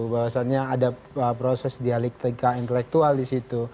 bahwasannya ada proses dialektika intelektual di situ